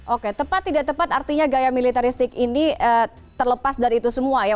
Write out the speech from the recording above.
oke tepat tidak tepat artinya gaya militaristik ini terlepas dari itu semua ya